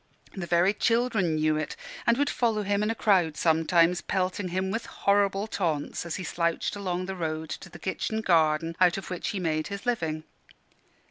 The very children knew it, and would follow him in a crowd sometimes, pelting him with horrible taunts as he slouched along the road to the kitchen garden out of which he made his living.